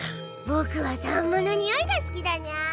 ぼくはサンマのにおいがすきだニャ。